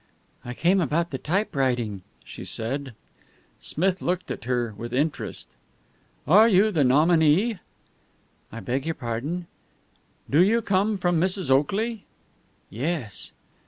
"I came about the typewriting," she said. Smith looked at her with interest. "Are you the nominee?" "I beg your pardon?" "Do you come from Mrs. Oakley?" "Yes."